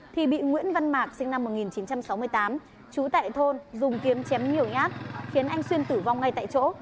thì bị nguyễn văn mạc sinh năm một nghìn chín trăm sáu mươi tám trú tại thôn dùng kiếm chém nhiều nhát khiến anh xuyên tử vong ngay tại chỗ